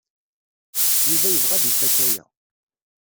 Yuba yebɣa ad ifak aya.